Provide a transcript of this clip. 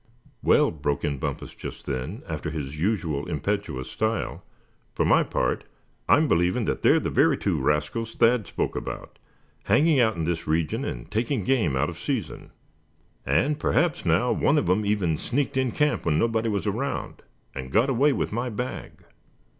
"Well," broke in Bumpus just then, after his usual impetuous style, "for my part, I'm believin' that they're the very two rascals Thad spoke about, hanging out in this region, and taking game out of season. And perhaps now, one of 'em even sneaked in camp when nobody was around, and got away with my bag."